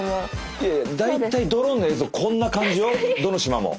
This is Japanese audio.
いやいや大体ドローンの映像こんな感じよどの島も。